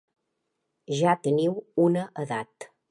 Ja teniu una edat.